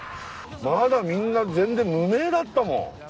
まだみんな全然無名だったもん。